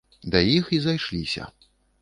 Да іх і зайшліся.